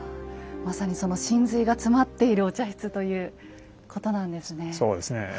まさにその神髄が詰まっているお茶室ということなんですね。